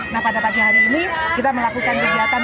nah pada pagi hari ini kita melakukan kegiatan